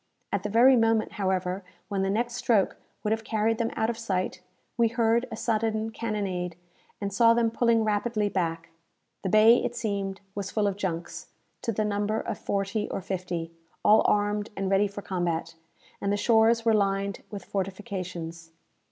At the very moment, however, when the next stroke would have carried them out of sight, we heard a sudden cannonade, and saw them pulling rapidly back. The bay, it seemed, was full of junks, to the number of forty or fifty, all armed and ready for combat; and the shores were lined with fortifications.